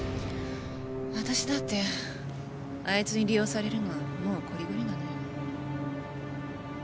私だってあいつに利用されるのはもうこりごりなのよ。